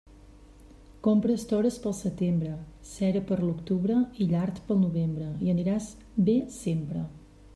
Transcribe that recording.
Compra estores pel setembre, cera per l'octubre i llard pel novembre i aniràs bé sempre.